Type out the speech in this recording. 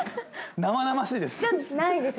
生々しいです